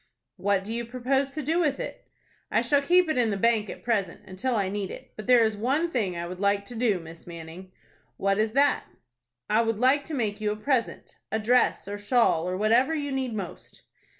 "What do you propose to do with it?" "I shall keep it in the bank at present, until I need it. But there is one thing I would like to do, Miss Manning." "What is that?" "I would like to make you a present,—a dress, or shawl, or whatever you need most."